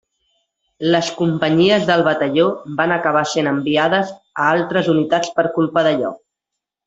Les companyies del batalló van acabar sent enviades a altres unitats per culpa d’allò.